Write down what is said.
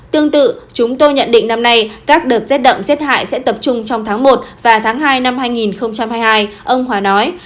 tương tự chúng tôi nhận định năm nay các đợt rét đậm rét hại sẽ tập trung trong tháng một và tháng hai năm hai nghìn hai mươi hai ông hòa nói